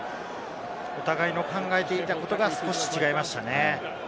お互いの考えていたことが少し違いましたね。